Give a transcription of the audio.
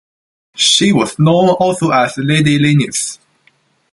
She was known also as Lady Lindis.